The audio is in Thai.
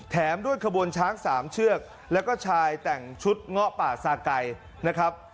แถมด้วยขบวนช้างสามเชือกแล้วก็ชายแต่งชุดเงาะป่าซาไก่นะครับ